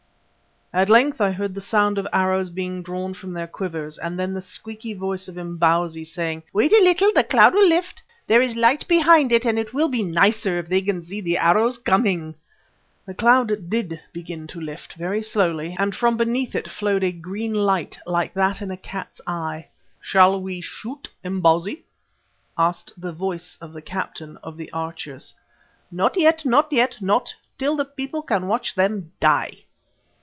At length I heard the sound of arrows being drawn from their quivers, and then the squeaky voice of Imbozwi, saying: "Wait a little, the cloud will lift. There is light behind it, and it will be nicer if they can see the arrows coming." The cloud did begin to lift, very slowly, and from beneath it flowed a green light like that in a cat's eye. "Shall we shoot, Imbozwi?" asked the voice of the captain of the archers. "Not yet, not yet. Not till the people can watch them die."